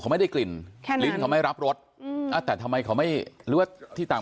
เขาไม่ได้กลิ่นแค่นั้นไม่รับรสแต่ทำไมเขาไม่รู้ว่าที่ต่าง